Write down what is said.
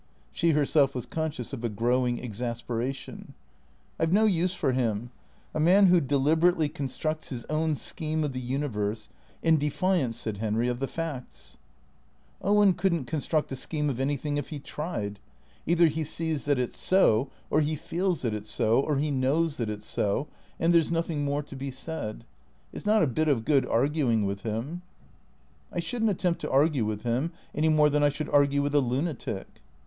She herself was conscious of a growing exasperation. " I 've no use for him. A man who deliberately constructs his own scheme of the universe, in defiance," said Henry, " of the facts." " Owen could n't construct a scheme of anything if he tried. THECEEATOES 421 Either he sees that it 's so, or he feels that it 's so, or he knows that it 's so, and there 's nothing more to be said. It 's not a bit of good arguing with him." " I should n't attempt to argue with him, any more than I should argue with a lunatic."